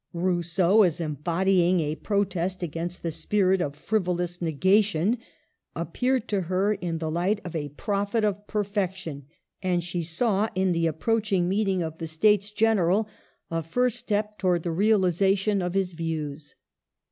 Rousseau, as embodying a protest against the spirit of frivolous negation, appeared to her in the light of a prophet of perfection ; and she saw in the approaching meeting of the States 14 Digitized by VjOOQIC 2IO MADAME DE SrA£L. General a first step towards the realization of his views.